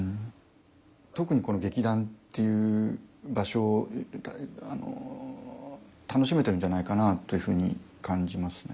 特にこの劇団という場所を楽しめてるんじゃないかなというふうに感じますね。